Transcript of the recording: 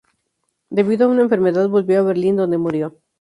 Debido a una enfermedad volvió a Berlín donde murió.